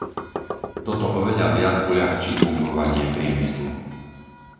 Toto oveľa viac uľahčí fungovanie priemyslu.